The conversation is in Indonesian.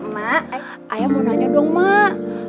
mak eh ayah mau nanya dong mak